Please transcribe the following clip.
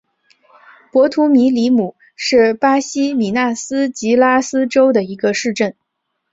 博图米里姆是巴西米纳斯吉拉斯州的一个市镇。